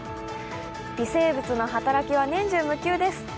微生物の働きは年中無休です。